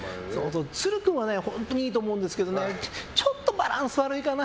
都留君は本当にいいと思うんですけどちょっとバランス悪いかな。